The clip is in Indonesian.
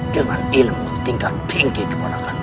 dengan ilmu tingkat tinggi keponakan